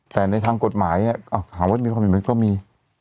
แต่ทางกฎหมายศาลนี้ก็มี